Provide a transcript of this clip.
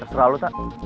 terserah lo tak